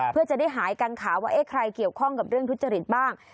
เพื่อจะได้หายกังขาว่าใครเกี่ยวข้องกับเรื่องทุจริตบ้าง